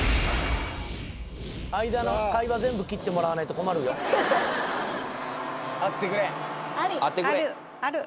間の会話全部切ってもらわないと困るよあってくれある